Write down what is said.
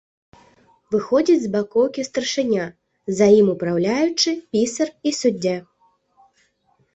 Выходзіць з бакоўкі старшыня, за ім упраўляючы, пісар і суддзя.